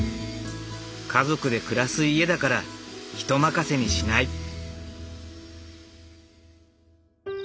家族で暮らす家だから人任せにしない。